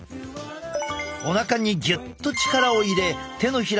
おなかにぎゅっと力を入れ手のひら